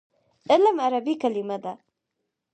علم عربي کلمه ده.